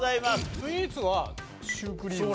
スイーツはシュークリーム。